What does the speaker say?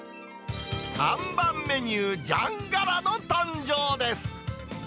看板メニュー、じゃんがらの誕生です。